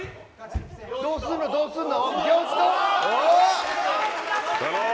どうするのどうするの。